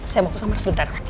saya mau ke kamar sebentar lagi